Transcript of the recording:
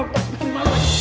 bikin malu pak dia